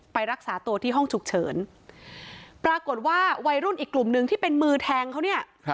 ไปรักษาตัวที่ห้องฉุกเฉินปรากฏว่าวัยรุ่นอีกกลุ่มนึงที่เป็นมือแทงเขาเนี่ย